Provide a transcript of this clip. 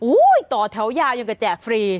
อู้ยต่อแถวยาอย่างกับแจกฟรี